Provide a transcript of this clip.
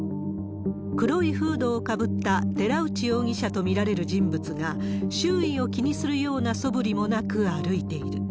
黒いフードをかぶった寺内容疑者と見られる人物が、周囲を気にするようなそぶりもなく歩いている。